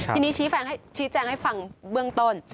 ทีนี้ชี้แจงให้ฟังเบื้องต้น